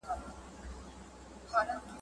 وروسته د زوال نښې نښانې ښکاره کیږي.